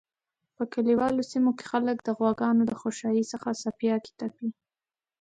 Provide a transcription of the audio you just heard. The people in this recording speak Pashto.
په کلیوالو سیمو کی خلک د غواګانو د خوشایی څخه څپیاکی تپی